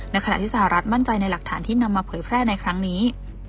ขณะที่สหรัฐมั่นใจในหลักฐานที่นำมาเผยแพร่ในครั้งนี้